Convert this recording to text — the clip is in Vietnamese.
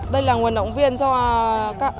đây là nguồn động viên cho